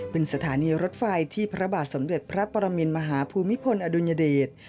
เป็นสถานีรถไฟที่พระบาทสมเด็จพระปรมินมหาภูมิพลอดุลยเดช